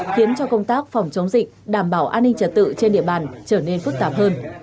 khiến cho công tác phòng chống dịch đảm bảo an ninh trật tự trên địa bàn trở nên phức tạp hơn